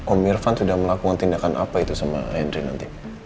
om irfan sudah melakukan tindakan apa itu sama henry nanti